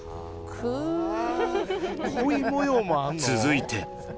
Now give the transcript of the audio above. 続いて。